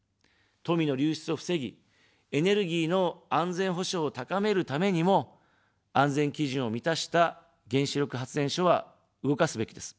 富の流出を防ぎ、エネルギーの安全保障を高めるためにも、安全基準を満たした原子力発電所は動かすべきです。